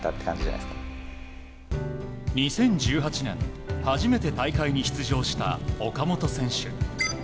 ２０１８年初めて大会に出場した岡本選手。